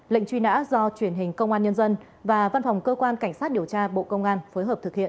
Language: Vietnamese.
lệnh truy nã do truyền hình công an nhân dân và văn phòng cơ quan cảnh sát điều tra bộ công an phối hợp thực hiện